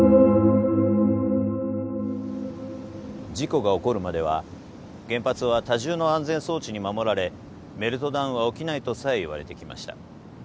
事故が起こるまでは原発は多重の安全装置に守られメルトダウンは起きないとさえ言われてきました。